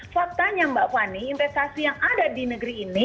faktanya mbak fani investasi yang ada di negeri ini